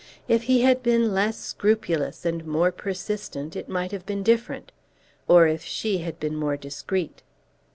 If he had been less scrupulous and more persistent it might have been different, or if she had been more discreet.